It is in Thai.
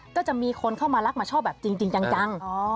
ก็จะมีคนเข้ามารักมาชอบแบบจริงจัง